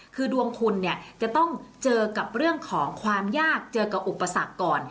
คือดวงคุณเนี่ยจะต้องเจอกับเรื่องของความยากเจอกับอุปสรรคก่อน